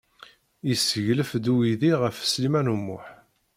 Yesseglef-d uydi ɣef Sliman U Muḥ.